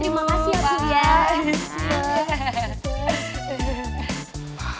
terima kasih ya bu